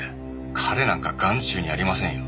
彼なんか眼中にありませんよ。